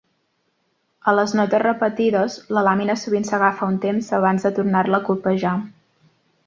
A les notes repetides, la làmina sovint s'agafa un temps abans de tornar-la a colpejar.